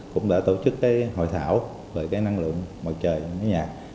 cũng đã tổ chức hội thảo về năng lượng mặt trời nhà